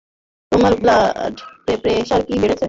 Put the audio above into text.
তোমার blood pressure কি বেড়েছে?